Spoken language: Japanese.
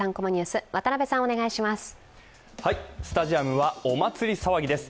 スタジアムはお祭り騒ぎです。